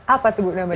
apa tuh ibu namanya